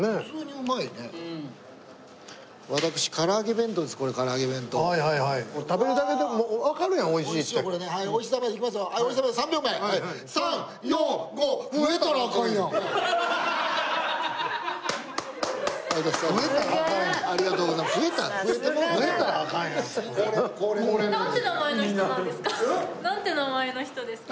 うん？なんて名前の人ですか？